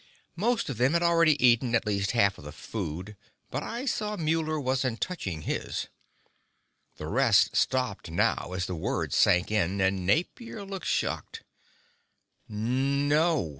Most of them had already eaten at least half of the food, but I saw Muller wasn't touching his. The rest stopped now, as the words sank in, and Napier looked shocked. "No!"